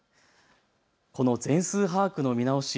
この全数把握の見直し